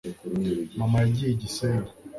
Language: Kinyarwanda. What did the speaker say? mama yagiye i gisenyi